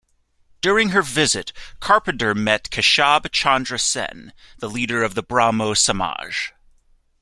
During her visit Carpenter met Keshab Chandra Sen, the leader of Brahmo Samaj.